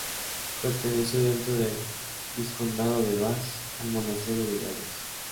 Perteneció dentro del vizcondado de Bas al monasterio de Bages.